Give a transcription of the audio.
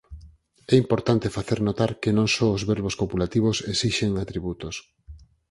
É importante facer notar que non só os verbos copulativos esixen atributos.